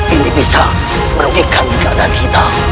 ini bisa merugikan keadaan kita